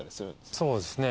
そうですね。